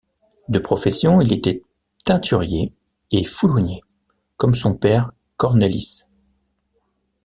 De profession, il était teinturier et foulonnier, comme son père Cornelis.